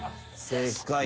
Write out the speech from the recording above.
正解。